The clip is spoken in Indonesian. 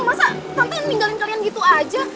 masa tante yang ninggalin kalian gitu aja